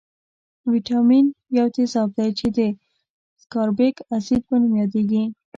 ویتامین یو تیزاب دی چې د سکاربیک اسید په نوم یادیږي.